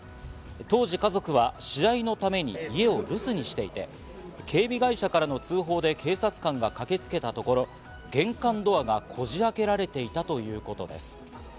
当時、家族は試合のために家を留守にしていて、警備会社からの通報で警察官が駆けつけたところ、玄関ドアがこじあけられていたということです。